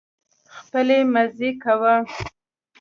خپلې مزې کوه